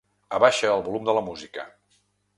Abaixa el volum de la música.